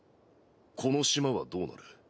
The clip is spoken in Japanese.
この島はどうなる？